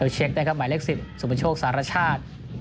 เช็คได้ครับหมายเลข๑๐สมชกสารชาติ